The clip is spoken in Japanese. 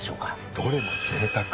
どれもぜいたく。